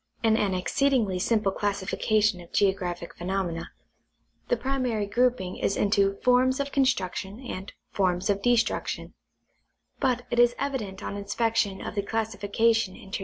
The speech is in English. In an exceedingly simple classification of geographic phenom ena, the primary grouping is into forms of construction dmdifoi'ms of destruction ; but it is evident on inspection of the table intro 32 National Geographic Magazine.